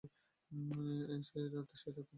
সেই রাত্রেই বিহারী পশ্চিমে চলিয়া গেল।